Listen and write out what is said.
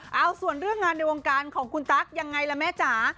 เอาส่วนเรื่องงานในวงการของคุณตั๊กยังไงล่ะแม่จ๋า